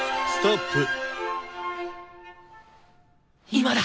今だ！